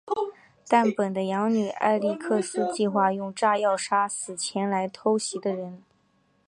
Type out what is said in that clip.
但本的养女艾莉克斯计划用炸药杀死前来偷袭的人。